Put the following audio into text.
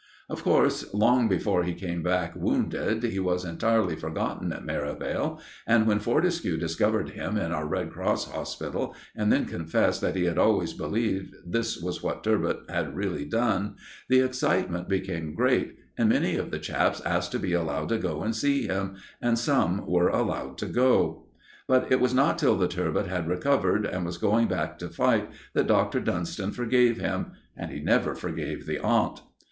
Of course, long before he came back wounded, he was entirely forgotten at Merivale, and when Fortescue discovered him in our Red Cross Hospital, and then confessed that he had always believed this was what "Turbot" had really done, the excitement became great, and many of the chaps asked to be allowed to go and see him, and some were allowed to do so. But it was not till the "Turbot" had recovered, and was going back to fight, that Dr. Dunston forgave him; and he never forgave the aunt.